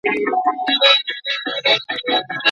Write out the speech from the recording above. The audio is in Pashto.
والیبال په پښو نه لوبیږي.